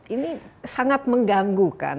ini sangat mengganggu kan